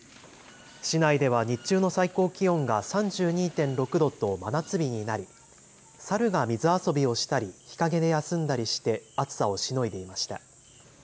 市内では日中の最高気温が３２．６度と真夏日になりサルが水遊びをしたり日陰で休んだりして暑さをしのいでいました。